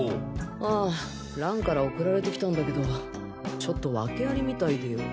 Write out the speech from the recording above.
ああ蘭から送られてきたんだけどちょっと訳ありみたいでよ。